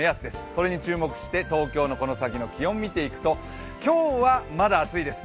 これに注目して東京のこの先の気温、見ていくと今日はまだ暑いです。